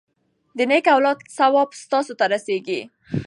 د نیک اولاد ثواب تاسو ته رسیږي.